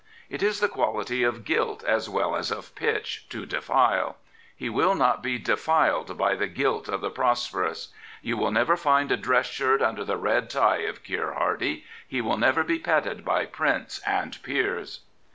It is the quality of gilt as well as of pitchTo defile. He will not be de^d by the gilt of the prosperous. You will never find a dress shirt under the red tie of Keir Hardie. He will never be petted by Princes and Peers.